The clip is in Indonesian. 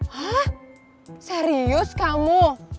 hah serius kamu